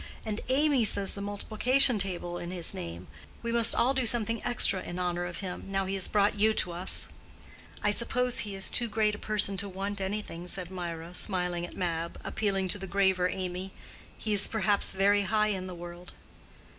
And Amy says the multiplication table in his name. We must all do something extra in honor of him, now he has brought you to us." "I suppose he is too great a person to want anything," said Mirah, smiling at Mab, and appealing to the graver Amy. "He is perhaps very high in the world?"